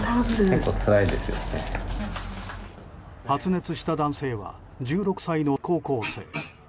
発熱した男性は１６歳の高校生。